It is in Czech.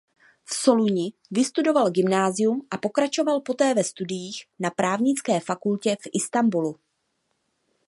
V Soluni vystudoval gymnázium a pokračoval poté ve studiích na právnické fakultě v Istanbulu.